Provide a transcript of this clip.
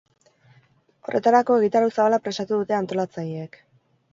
Horretarako, egitarau zabala prestatu dute antolatzaileek.